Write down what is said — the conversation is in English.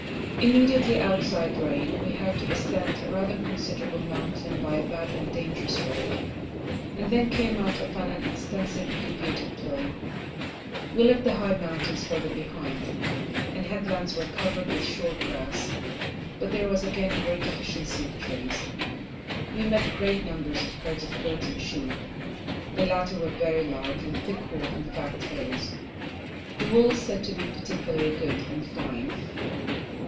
Immediately outside Raid, we had to ascend a rather considerable mountain by a bad and dangerous road, and then came out upon an extensive elevated plain. We left the high mountains further behind, the headlands were covered with short grass, but there was again a great deficiency of trees. We met great numbers of herds of goats and sheep. The latter were very large, with thick wool and fat tails; the wool is said to be particularly good and fine.